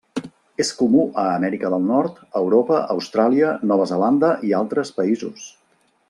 És comú a Amèrica del Nord, Europa, Austràlia, Nova Zelanda i altres països.